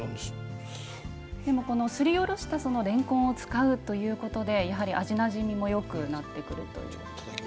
すりおろしたれんこんを使うということでやはり味なじみもよくなってくるという。